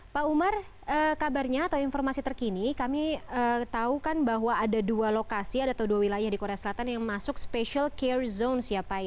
pak umar kabarnya atau informasi terkini kami tahu kan bahwa ada dua lokasi atau dua wilayah di korea selatan yang masuk special care zone ya pak